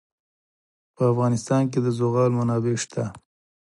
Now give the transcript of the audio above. په افغانستان کې د زغال منابع شته.